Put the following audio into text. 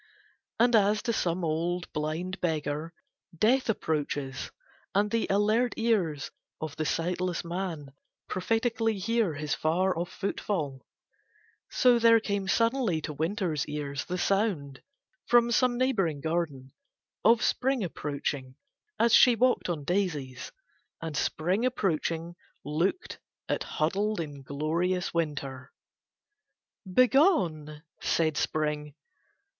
And as to some old blind beggar Death approaches, and the alert ears of the sightless man prophetically hear his far off footfall, so there came suddenly to Winter's ears the sound, from some neighbouring garden, of Spring approaching as she walked on daisies. And Spring approaching looked at huddled inglorious Winter. "Begone," said Spring.